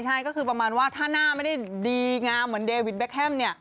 ใช่ก็คือประมาณว่าถ้าหน้าไม่ได้ดีงามเหมือนเดวิดแคคแฮมเนี่ย